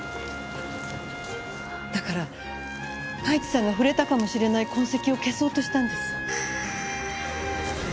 だから太一さんが触れたかもしれない痕跡を消そうとしたんです。